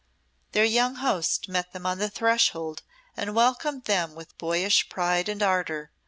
Their young host met them on the threshold and welcomed them with boyish pride and ardour.